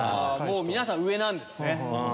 皆さん上なんですね。